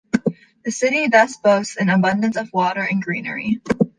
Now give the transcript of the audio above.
The city thus boasts an abundance of water and greenery.